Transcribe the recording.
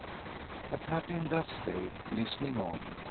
The Captain does stay, listening on.